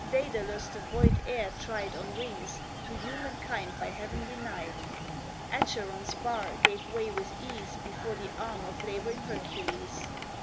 Daedalus the void air tried On wings, to humankind by Heaven denied; Acheron's bar gave way with ease Before the arm of labouring Hercules.